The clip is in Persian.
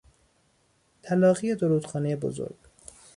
تلاقی دو رودخانهی بزرگ